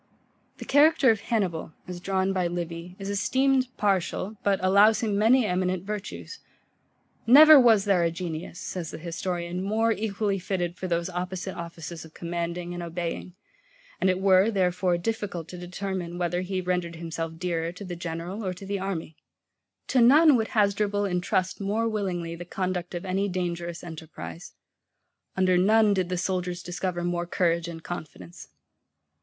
The character of Hannibal, as drawn by Livy, [Footnote: Lib. xxi. cap. 4] is esteemed partial, but allows him many eminent virtues. Never was there a genius, says the historian, more equally fitted for those opposite offices of commanding and obeying; and it were, therefore, difficult to determine whether he rendered himself DEARER to the general or to the army. To none would Hasdrubal entrust more willingly the conduct of any dangerous enterprize; under none did the soldiers discover more courage and confidence.